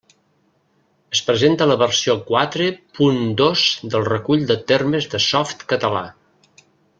Es presenta la versió quatre punt dos del Recull de termes de Softcatalà.